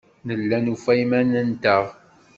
Nella nufa iman-nteɣ.